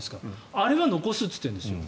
あれは残すと言ってるんです。